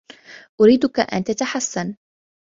أريدك أن تتحسن.